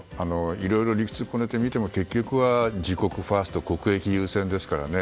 いろいろ理屈をこねてみても結局は自国ファースト国益優先ですからね。